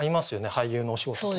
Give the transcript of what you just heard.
俳優のお仕事と。